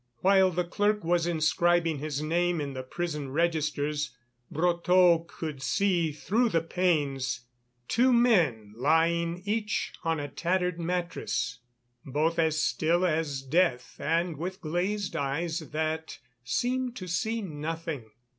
While the clerk was inscribing his name in the prison registers, Brotteaux could see through the panes two men lying each on a tattered mattress, both as still as death and with glazed eyes that seemed to see nothing.